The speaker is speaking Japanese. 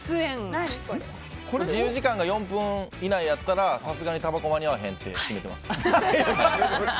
待ち時間が４分以内だとさすがにたばこ間に合わへんって決めてます。